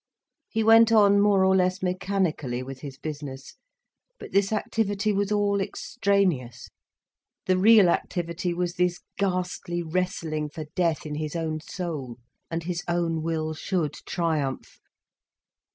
He went on more or less mechanically with his business, but this activity was all extraneous. The real activity was this ghastly wrestling for death in his own soul. And his own will should triumph.